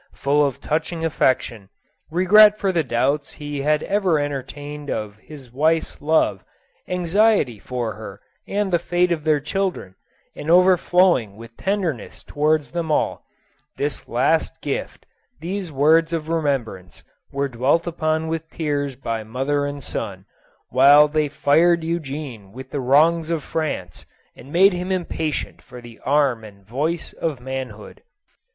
Full of touching affection, regret for the doubts he had ever entertained of his wife's love, anxiety for her and the fate of their children, and overflowing with tenderness towards them all, — this last gift, these words of remembrance, were dwelt upon with tears by mother and son, while they fired Eugene with the wrongs of France, and made him impatient for the arm and voice of man hood.